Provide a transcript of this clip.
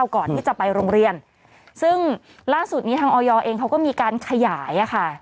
ก่อนที่จะไปโรงเรียนซึ่งล่าสุดนี้ทางออยเองเขาก็มีการขยายอ่ะค่ะ